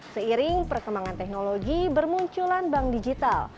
seiring perkembangan teknologi bermunculan bank digital